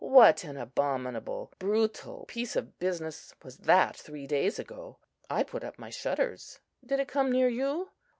What an abominable, brutal piece of business was that three days ago! I put up my shutters. Did it come near you?